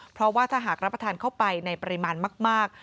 เพราะว่าถ้าหากรับประทานเข้าไปในปริมาณมาก